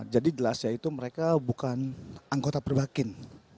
jadi jelasnya itu mereka bukan anggota perbakin